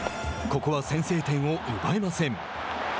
ここは先制点を奪えません。